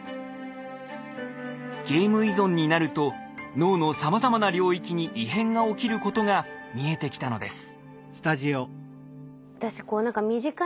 ゲーム依存になると脳のさまざまな領域に異変が起きることが見えてきたのです。